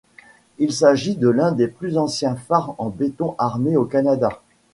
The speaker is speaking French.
Il s'agit de l'un des plus anciens phares en béton armé au Canada.